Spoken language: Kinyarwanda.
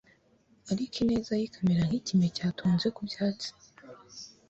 ariko ineza ye ikamera nk’ikime cyatonze ku byatsi